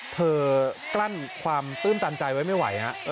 กลั้นความตื้นตันใจไว้ไม่ไหวฮะ